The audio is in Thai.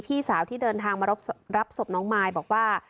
พี่สาวที่เดินทางมารับศพน้องมายบอกว่า